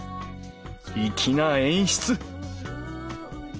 粋な演出！